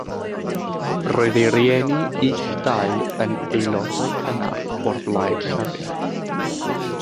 Roedd ei rieni ill dau yn aelodau cynnar o'r Blaid Lafur.